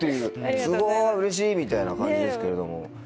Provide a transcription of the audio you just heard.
すごい嬉しいみたいな感じですけれども。